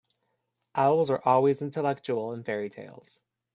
Owls are always intellectual in fairy-tales.